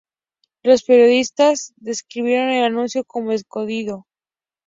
Los periodistas describieron el anuncio como "escondido".